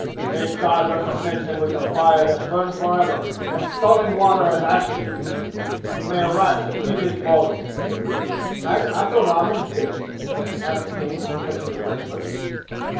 May God recompense him with the fire that burns forever and scalding water and ashes to eat! May rats eat his bones!" "Had Abdurrahman this?" asked King, touching the bracelet.